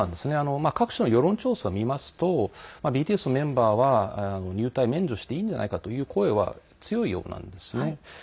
各所の世論調査を見ますとＢＴＳのメンバーは入隊免除していいんじゃないかという声は強いようなんですね。